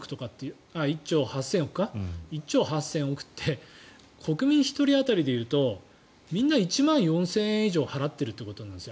１兆８０００億円って国民１人当たりでいうとみんな１万４０００円以上払っているということなんです。